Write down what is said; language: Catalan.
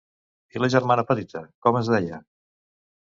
I la germana petita, com es deia?